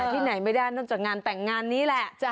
ที่ไหนไม่ได้นอกจากงานแต่งงานนี้แหละ